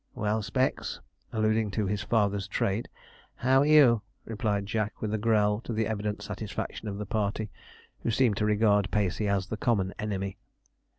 'Well, Specs' (alluding to his father's trade), 'how are you?' replied Jack, with a growl, to the evident satisfaction of the party, who seemed to regard Pacey as the common enemy.